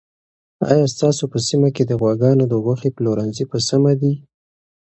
آیا ستاسو په سیمه کې د غواګانو د غوښې پلورنځي په سمه دي؟